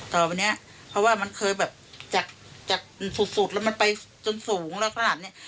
ต่อไปเนี้ยเพราะว่ามันเคยแบบจากสุดแล้วมันไปจนสูงแล้วขนาดเนี้ย